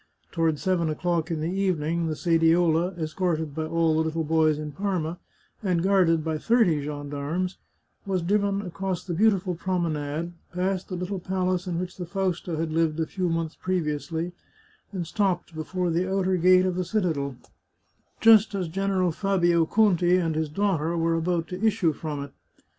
Toward seven o'clock in the evening the sediola, escorted by all the little boys in Parma, and guarded by thirty gendarmes, was driven across the beautiful prom enade, past the little palace in which the Fausta had lived a few months previously, and stopped before the outer gate of the citadel just as General Fabio Conti and his daughter were about to issue from it.